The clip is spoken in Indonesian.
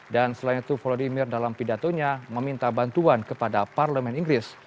dan selain itu volodymyr dalam pidatonya meminta bantuan kepada parlemen inggris